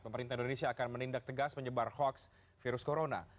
pemerintah indonesia akan menindak tegas penyebar hoax virus corona